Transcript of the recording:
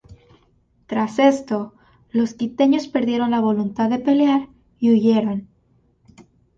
Tras esto los quiteños perdieron la voluntad de pelear y huyeron.